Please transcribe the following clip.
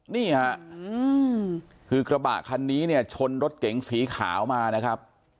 นี่ค่ะคือกระบะคันนี้เนี่ยชนรถเก๋งสีขาวมานะครับ